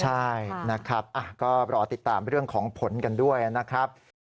ใช่นะครับก็รอติดตามเรื่องของผลกันด้วยนะครับ